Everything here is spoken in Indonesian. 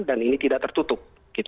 dan ini tidak tertutup